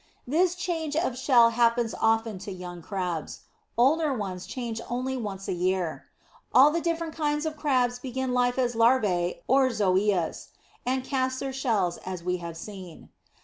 This change of shell happens often to young Crabs. Older ones change only once a year. All the different kinds of Crab begin life as larvae or zoeas, and cast their shells as we have seen.